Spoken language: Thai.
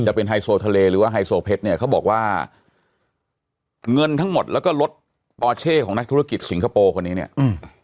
ไฮโซทะเลหรือว่าไฮโซเพชรเนี่ยเขาบอกว่าเงินทั้งหมดแล้วก็รถปอเช่ของนักธุรกิจสิงคโปร์คนนี้เนี่ยอืม